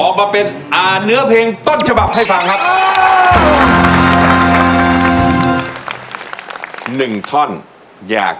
จะอ่านเนื้อเพลงต้นฉบับให้ฟังครับ